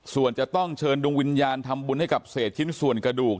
ส่วนจะต้องเชิญดวงวิญญาณทำบุญให้กับเศษชิ้นส่วนกระดูก